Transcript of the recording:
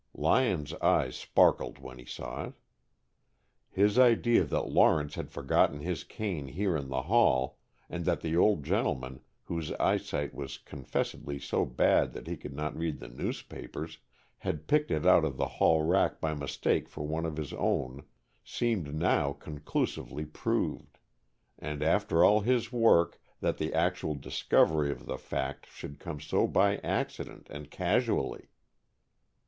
Lyon's eyes sparkled when he saw it. His idea that Lawrence had forgotten his cane here in the hall, and that the old gentleman, whose eyesight was confessedly so bad that he could not read the newspapers, had picked it out of the hall rack by mistake for one of his own, seemed now conclusively proved. And after all his work, that the actual discovery of the fact should come so by accident and casually!